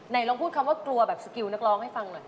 ลองพูดคำว่ากลัวแบบสกิลนักร้องให้ฟังหน่อย